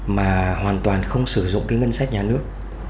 mà hoàn toàn không sử dụng cái ngân sách nhà nước